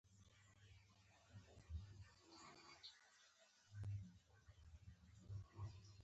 د سوېل ختیځې اسیا اقتصاد پاموړ وده کړې وه.